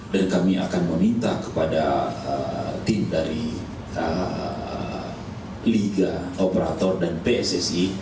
dan kami akan meminta kepada tim dari liga operator dan pssi